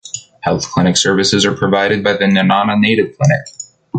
Health clinic services are provided by the Nenana Native Clinic.